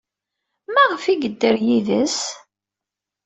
Maɣef ay yedder yid-s?